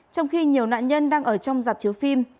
trong khi nhiều nạn nhân đang ở trong dạp chiếu phim